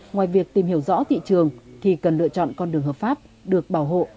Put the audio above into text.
ngoài việc tìm hiểu rõ thị trường thì cần lựa chọn con đường hợp pháp được bảo hộ